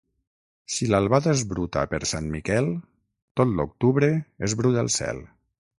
Si l'albada és bruta per Sant Miquel, tot l'octubre és brut el cel.